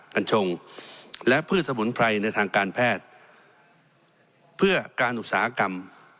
กัญชงและพืชสมุนไพรในทางการแพทย์เพื่อการอุตสาหกรรม